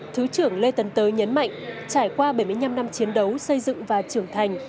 thứ trưởng lê tấn tới nhấn mạnh trải qua bảy mươi năm năm chiến đấu xây dựng và trưởng thành